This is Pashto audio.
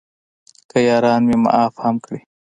که یاران مې معاف هم کړي.